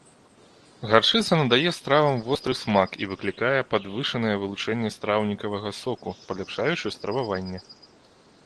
Гарчыца надае стравам востры смак і выклікае падвышанае вылучэнне страўнікавага соку, паляпшаючы страваванне.